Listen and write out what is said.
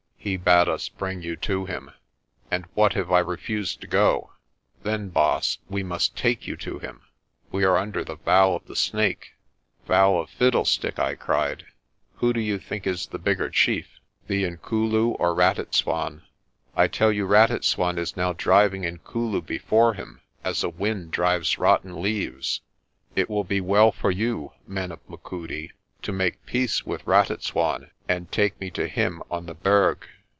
"He bade us bring you to him." "And what if I refuse to go?" "Then, Baas, we must take you to him. We are under the vow of the Snake." "Vow of fiddlestick!' I cried. "Who do you think is the bigger chief, the Inkulu or Ratitswan? I tell you Ratitswan is now driving Inkulu before him as a wind drives rotten leaves. It will be well for you, men of Machudi, to make peace with Ratitswan and take me to him on the Berg.